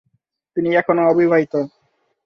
তিনি এখনও অবিবাহিত।